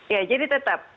ya jadi tetap